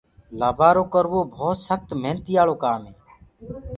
لآبآرو ڪروو ڀوت سکت منيآݪو ڪآم هي۔